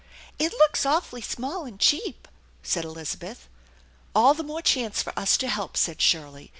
" It looks awfully small and cheap/' said Elizabeth. "All the more chance for us to help !" said Shirley.